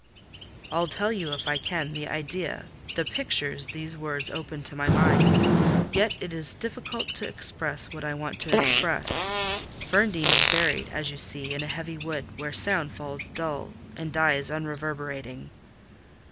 "I'll tell you, if I can, the idea, the picture these words opened to my mind: yet it is difficult to express what I want to express. Ferndean is buried, as you see, in a heavy wood, where sound falls dull, and dies unreverberating.